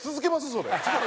それ。